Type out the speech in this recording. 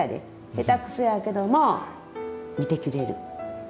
下手くそやけども見てくれる。